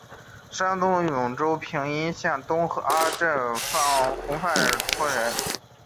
山东兖州平阴县东阿镇洪范村人。